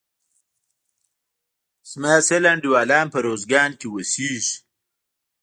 زما سل انډيوالان په روزګان کښي اوسيږي.